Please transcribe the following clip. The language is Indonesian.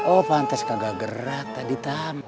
oh pantes kagak gerak tadi tam